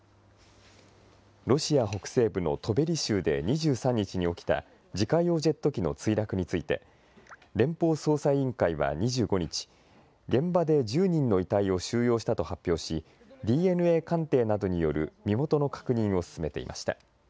ロシア北西部のトベリ州で２３日に起きた、自家用ジェット機の墜落について、連邦捜査委員会は２５日、現場で１０人の遺体を収容したと発表し、ＤＮＡ鑑定などによる身元の確認を進めていました。